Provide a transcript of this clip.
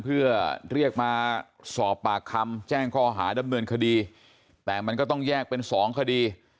เพื่อเรียกมาสอบปากคำแจ้งข้อหาดำเนินคดีแต่มันก็ต้องแยกเป็นสองคดี